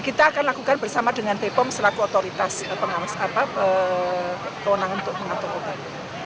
kita akan lakukan bersama dengan bepom selaku otoritas kewenangan untuk mengatur obat